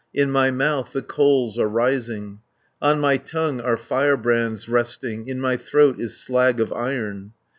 In my mouth the coals are rising, On my tongue are firebrands resting, In my throat is slag of iron.